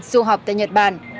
du học tại nhật bản